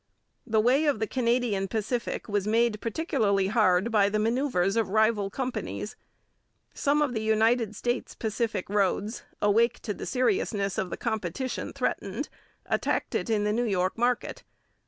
The way of the Canadian Pacific was made particularly hard by the manoeuvres of rival companies. Some of the United States Pacific roads, awake to the seriousness of the competition threatened, attacked it in the New York market.